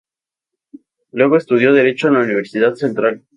Luego estudió Derecho en la Universidad Central.